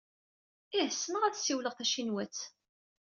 Ih. Ssneɣ ad ssiwleɣ tacinwat.